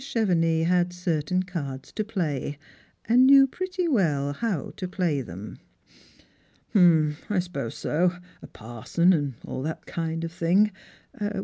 Chevenix had certain cards to play, and knew pretty well how to play them. " Hump, I suppose so ; a parson and all that kind of thing.